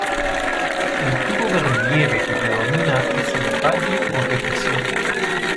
El tipo de relieve que predomina es el valle o depresión.